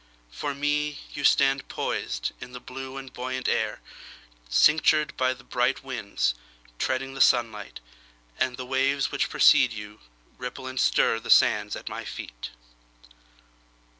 For me, You stand poisedIn the blue and buoyant air, Cinctured by bright winds, Treading the sunlight. And the waves which precede youRipple and stirThe sands at my feet.